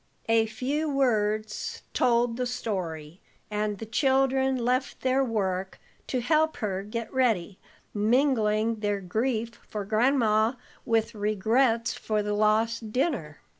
A few words told the story, and the children left their work to help her get ready, mingling their grief for "Gran'ma" with regrets for the lost dinner.